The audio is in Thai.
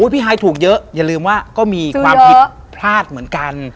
ฮายถูกเยอะอย่าลืมว่าก็มีความผิดพลาดเหมือนกัน